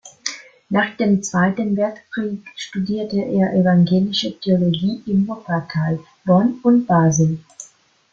Nach dem Zweiten Weltkrieg studierte er Evangelische Theologie in Wuppertal, Bonn und Basel.